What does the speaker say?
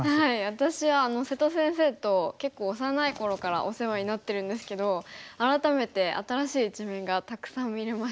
私は瀬戸先生と結構幼い頃からお世話になってるんですけど改めて新しい一面がたくさん見れました。